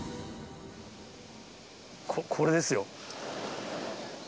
これですよ。